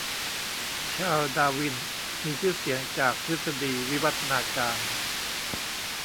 ชาลส์ ดาร์วิน มีชื่อเสียงจากทฤษฎีวิวัฒนาการ